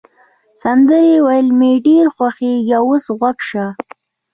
سندرې ویل مي ډېر خوښیږي، اوس غوږ شه.